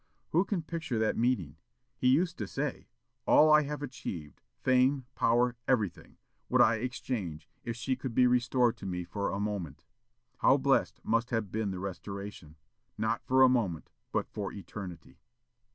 Who can picture that meeting? He used to say, "All I have achieved fame, power, everything would I exchange, if she could be restored to me for a moment." How blessed must have been the restoration, not "for a moment," but for eternity!